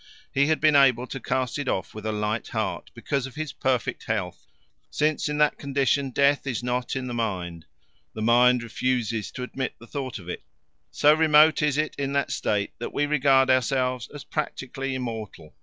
He had been able to cast it off with a light heart because of his perfect health, since in that condition death is not in the mind the mind refuses to admit the thought of it, so remote is it in that state that we regard ourselves as practically immortal.